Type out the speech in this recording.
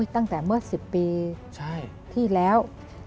ตั้งแต่เมื่อ๑๐ปีที่แล้ว